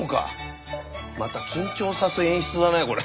また緊張さす演出だねこれ。